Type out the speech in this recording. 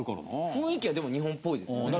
雰囲気はでも日本っぽいですよね。